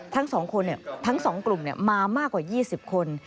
ทั้ง๒คนทั้ง๒กลุ่มมามากกว่า๒๐คน